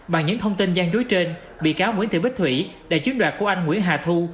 bằng những thông tin gian dối trên bị cáo nguyễn thị bích thủy đã chiếm đoạt của anh nguyễn hà thu